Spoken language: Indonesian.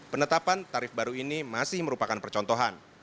penetapan tarif baru ini masih merupakan percontohan